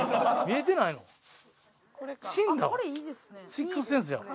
『シックス・センス』やん。